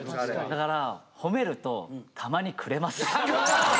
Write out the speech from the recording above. だから褒めるとたまにくれます。